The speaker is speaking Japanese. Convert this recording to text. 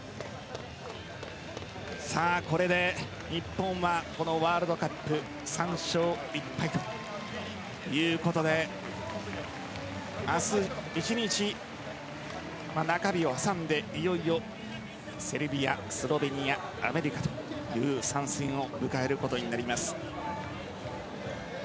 これで、日本はこのワールドカップ３勝１敗ということで明日、１日中日を挟んで、いよいよセルビア、スロベニアアメリカという３戦を迎えることになります。